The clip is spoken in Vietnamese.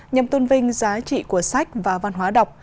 nhằm tôn vinh giá trị của sách và văn hóa đọc